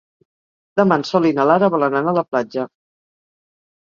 Demà en Sol i na Lara volen anar a la platja.